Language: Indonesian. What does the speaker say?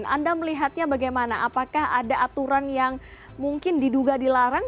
anda melihatnya bagaimana apakah ada aturan yang mungkin diduga dilarang